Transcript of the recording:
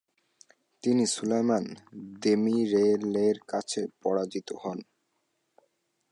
তিনি সুলাইমান দেমিরেলের কাছে পরাজিত হন।